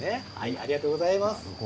ありがとうございます。